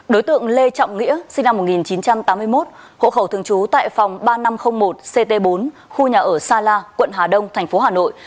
đối tượng lê trọng nghĩa sinh năm một nghìn chín trăm tám mươi một hộ khẩu thường trú tại phòng ba nghìn năm trăm linh một ct bốn khu nhà ở sa la quận hà đông thành phố hà nội